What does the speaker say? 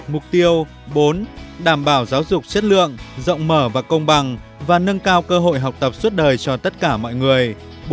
mục tiêu bốn đảm bảo giáo dục chất lượng rộng mở và công bằng và nâng cao cơ hội học tập suốt đời cho tất cả mọi người